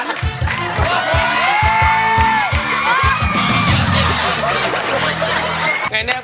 ตายมาก